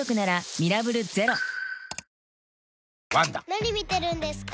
・何見てるんですか？